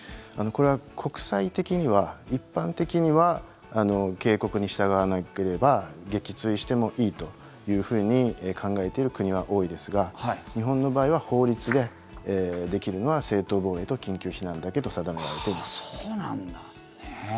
これは国際的には一般的には警告に従わなければ撃墜してもいいというふうに考えている国は多いですが日本の場合は法律でできるのは正当防衛と緊急避難だけと定められています。